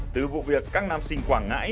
từ vụ việc các nam sinh quảng ngãi